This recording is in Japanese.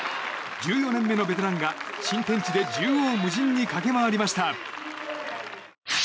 １４年目のベテランが新天地で縦横無尽に駆け回りました。